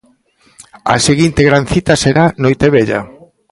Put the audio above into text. A seguinte gran cita será Noitevella.